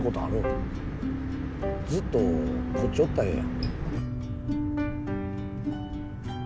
ずっとこっちおったらええやん。